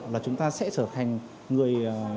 là chúng ta sẽ trở thành người